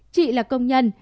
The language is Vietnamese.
chị là công nhân